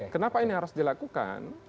kenapa ini harus dilakukan